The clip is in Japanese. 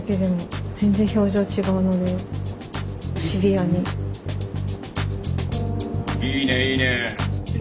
「いいねいいね」。